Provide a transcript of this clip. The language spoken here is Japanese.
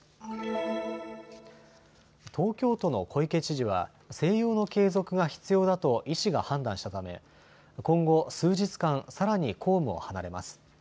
東京都の小池知事は静養の継続が必要だと医師が判断したため今後、数日間、さらに公務を離れます。